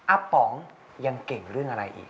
ป๋องยังเก่งเรื่องอะไรอีก